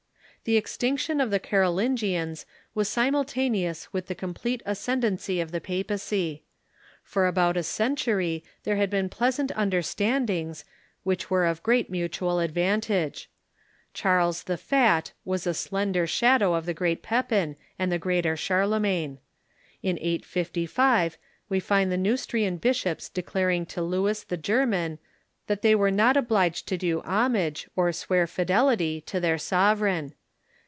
The extinction of the Carolingians was simultaneous with the complete ascendency of the papacy. For about a century Tu c *•.■„„ there had been pleasant understandings, which Th8 Extinction i ^' of the were of great mutual advantage. Charles the Fat Carolingians ^^^^ slender shadow of the great Pepin and the greater Charlemagne. In 855 we find the Neustrian bishops declaring to Louis the German that they were not obliged to do homage, or swear fidelity, to their sovereign.